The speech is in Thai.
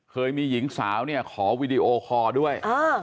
เคยมีหญิงสาวเนี่ยขอวีดีโอคอร์ด้วย